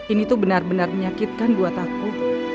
ini tuh benar benar menyakitkan buat aku